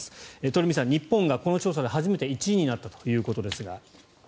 鳥海さん、日本がこの調査で１位になったということですが。